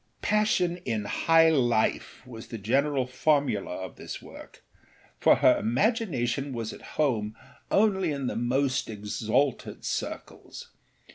Passion in high life was the general formula of this work, for her imagination was at home only in the most exalted circles.